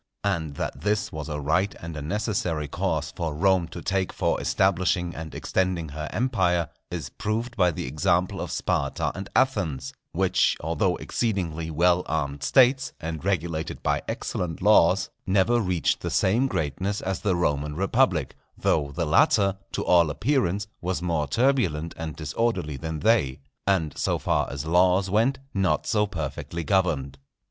And that this was a right and a necessary course for Rome to take for establishing and extending her empire, is proved by the example of Sparta and Athens, which, although exceedingly well armed States, and regulated by excellent laws, never reached the same greatness as the Roman Republic; though the latter, to all appearance, was more turbulent and disorderly than they, and, so far as laws went, not so perfectly governed.